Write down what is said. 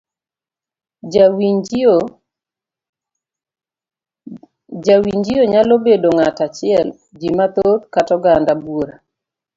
Jawinjio nyalo bedo ng'ato achiel, ji mathoth kata oganda buora.